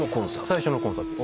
最初のコンサート。